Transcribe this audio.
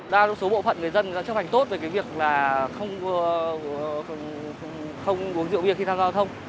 đa số bộ phận người dân đã chấp hành tốt về cái việc là không uống rượu bia khi tham gia giao thông